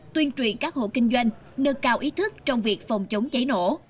tuyên truyền các hộ kinh doanh nâng cao ý thức trong việc phòng chống cháy nổ